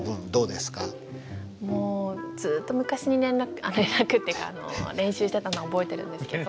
もうずっと昔に連絡連絡っていうか練習してたのは覚えてるんですけど。